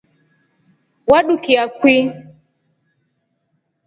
Wadukia kwii?